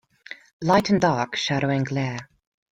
Light and dark, shadow and glare.